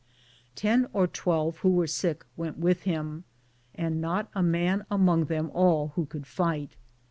Ten or twelve who were sick went with him, and not a man among them all who could fight.